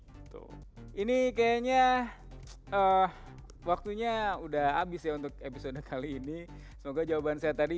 betul ini kayaknya waktunya udah habis ya untuk episode kali ini semoga jawaban saya tadi